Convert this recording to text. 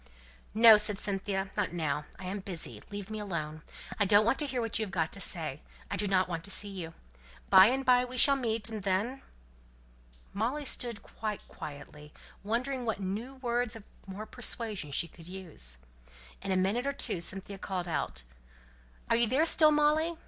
"No!" said Cynthia. "Not now. I am busy. Leave me alone. I don't want to hear what you have got to say. I don't want to see you. By and by we shall meet, and then " Molly stood quite quietly, wondering what new words of more persuasion she could use. In a minute or two Cynthia called out, "Are you there still, Molly?"